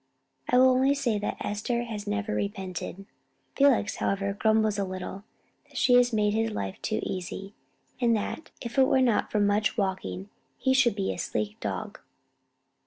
I will only say that Esther has never repented. Felix, however, grumbles a little that she has made his life too easy, and that, if it were not for much walking, he should be a sleek dog.